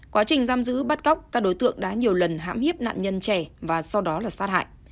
quá trình giam giữ bắt cóc các đối tượng đã nhiều lần hãm hiếp nạn nhân trẻ và sau đó là sát hại